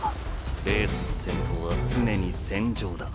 レースの先頭は常に戦場だ。